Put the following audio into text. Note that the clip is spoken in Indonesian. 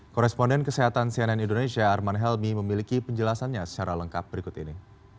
koresponden kesehatan cnn indonesia arman helmi memiliki penjelasannya secara lengkap berikut ini